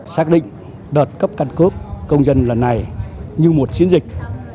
xác định đợt cấp căn cước công dân lần này như một chiến dịch